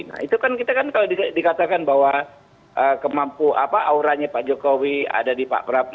nah itu kan kita kan kalau dikatakan bahwa kemampuan auranya pak jokowi ada di pak prabowo